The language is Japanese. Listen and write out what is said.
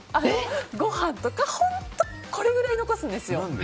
ご飯とかこれぐらい残すんですよ。